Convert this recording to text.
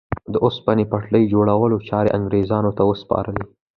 د اوسپنې پټلۍ جوړولو چارې انګرېزانو ته وسپارلې.